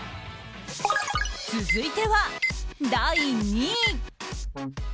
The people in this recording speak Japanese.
続いては第２位。